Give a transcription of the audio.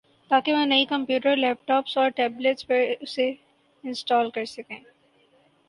تاکہ وہ نئی کمپیوٹر ، لیپ ٹاپس اور ٹیبلٹس پر اسے انسٹال کر سکیں